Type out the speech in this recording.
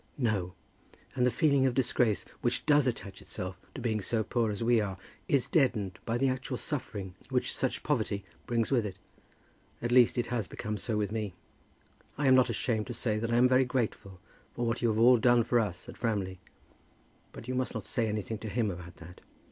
"No; and the feeling of disgrace which does attach itself to being so poor as we are is deadened by the actual suffering which such poverty brings with it. At least it has become so with me. I am not ashamed to say that I am very grateful for what you all have done for us at Framley. But you must not say anything to him about that."